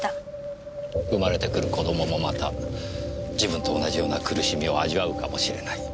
生まれてくる子供もまた自分と同じような苦しみを味わうかもしれない。